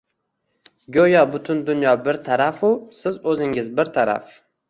Go‘yo butun dunyo bir tarafu siz o‘zingiz bir taraf...